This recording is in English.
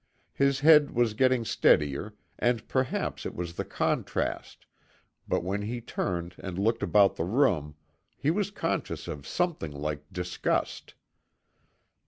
His head was getting steadier, and perhaps it was the contrast, but when he turned and looked about the room he was conscious of something like disgust.